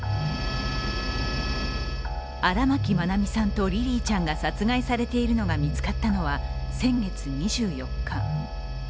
荒牧愛美さんとリリィちゃんが殺害されているのが見つかったのは先月２４日。